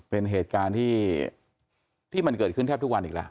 เป็นเหตุการณ์ที่มันเกิดขึ้นแทบทุกวันอีกแล้ว